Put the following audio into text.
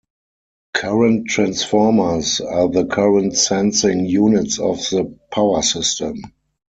Current transformers are the current sensing units of the power system.